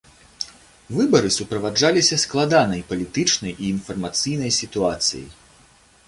Выбары суправаджаліся складанай палітычнай і інфармацыйнай сітуацыяй.